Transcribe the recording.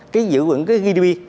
cái dự ứng cái gdp